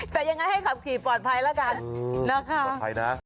แต่ยังไงให้ขับขี่ปลอดภัยแล้วกันปลอดภัยนะ